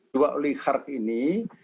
dua oligarki ini